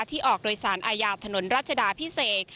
ที่ออกโดยสารอายาธนรัชดาพิเศก